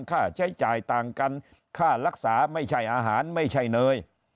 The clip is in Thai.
ค่าใช้จ่ายต่างกันค่ารักษาไม่ใช่อาหารไม่ใช่เนย